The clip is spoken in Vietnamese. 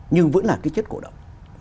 nhưng vẫn là cái chất cổ động